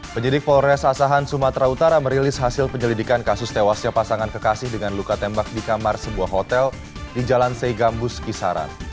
penyidik polres asahan sumatera utara merilis hasil penyelidikan kasus tewasnya pasangan kekasih dengan luka tembak di kamar sebuah hotel di jalan seigambus kisaran